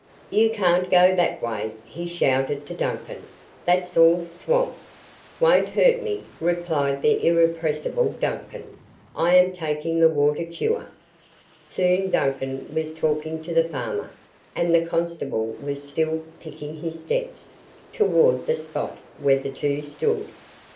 "You can't go that way," he shouted to Duncan. "That's all swamp." "Won't hurt me," replied the irrepressible Duncan. "I am taking the water cure." Soon Duncan was talking to the farmer and the constable was still "picking his steps" toward the spot where the two stood.